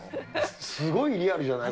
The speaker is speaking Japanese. すごいリアルじゃない？